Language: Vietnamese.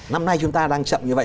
năm nay chúng ta đang chậm như vậy